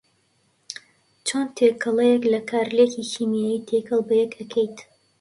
چۆن تێکەڵیەک لە کارلێکی کیمیایی تێکەڵ بەیەک ئەکەیت